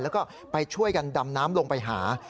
แล้วก็ไปช่วยกันดำน้ำลงไปหา